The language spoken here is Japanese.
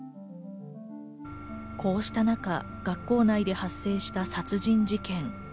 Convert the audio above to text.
こうした中、学校内で発生した殺人事件。